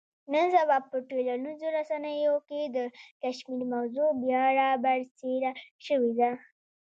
نن سبا په ټولنیزو رسنیو کې د کشمیر موضوع بیا را برسېره شوې ده.